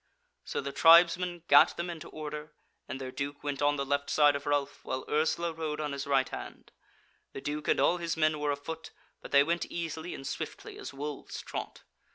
So the tribesmen gat them into order, and their Duke went on the left side of Ralph, while Ursula rode on his right hand. The Duke and all his men were afoot, but they went easily and swiftly, as wolves trot.